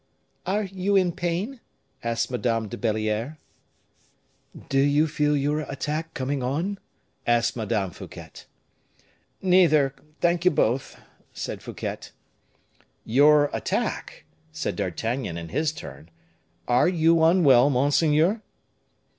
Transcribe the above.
"Are you in pain?" asked Madame de Belliere. "Do you feel your attack coming on?" asked Madame Fouquet. "Neither, thank you both," said Fouquet. "Your attack?" said D'Artagnan, in his turn; "are you unwell, monseigneur?"